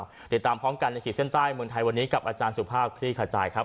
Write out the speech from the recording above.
หรือเปล่าติดตามพร้อมการละกิจเส้นใต้เมืองไทยวันนี้กับอาจารย์สุภาพพี่ขจายครับ